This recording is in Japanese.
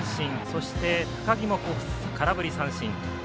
そして、高木も空振り三振。